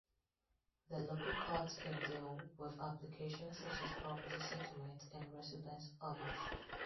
The local court can deal with applications such as property settlements and residence orders.